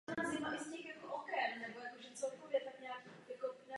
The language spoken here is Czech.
Vyžaduje dostatečně vlhké stanoviště.